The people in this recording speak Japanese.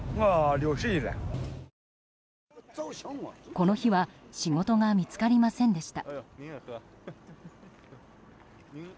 この日は仕事が見つかりませんでした。